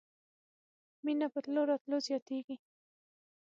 مينه په تلو راتلو زياتېږي.